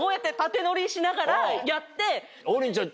王林ちゃん